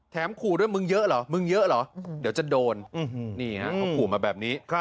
ขู่ด้วยมึงเยอะเหรอมึงเยอะเหรอเดี๋ยวจะโดนนี่ฮะเขาขู่มาแบบนี้